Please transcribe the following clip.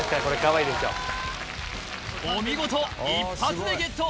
お見事一発でゲット！